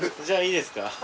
じゃいいですか。